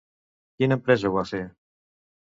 Quina empresa ho va fer?